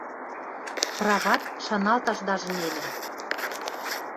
Прават, шаналташ даже нелӹ.